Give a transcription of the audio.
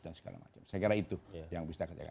dan segala macam saya kira itu yang bisa